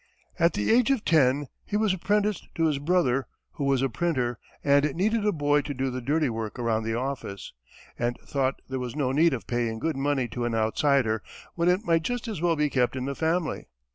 At the age of ten, he was apprenticed to his brother, who was a printer, and needed a boy to do the dirty work around the office, and thought there was no need of paying good money to an outsider, when it might just as well be kept in the family.